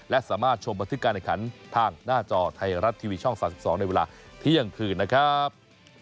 และสามารถชมบันทึกการแข่งขันทางหน้าจอไทยรัฐทีวีช่อง๓๒ในเวลาเที่ยงคืนนะครับ